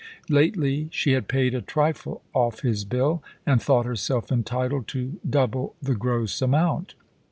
Lately she had paid a trifle off his bill, and thought herself entitled to double the gross amount.